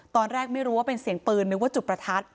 ตอนแรกไม่รู้ว่าเป็นเสียงปืนนึกว่าจุดประทัด